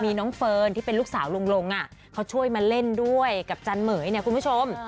มีน้องเฟิร์นที่เป็นลูกสาวลงเขาช่วยมาเล่นด้วยกับจันเหม๋ยเนี่ยคุณผู้ชม